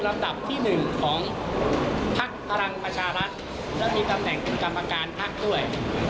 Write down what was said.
รำดับที่หนึ่งของภักดิ์พระรังประชารักษณ์และมีตำแหน่งเป็นกรรมการภักดิ์ด้วย